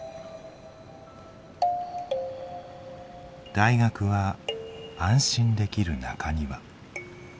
大学は安心できる中庭。